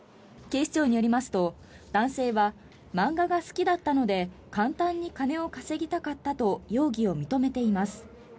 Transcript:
警視庁によりますと、男性は漫画が好きだったので簡単に金を稼ぎたかったと容疑を認めています。